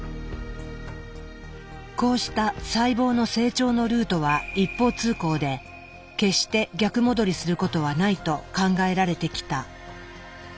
こうした細胞の成長のルートは一方通行で決して逆戻りすることはないと考えられてきた。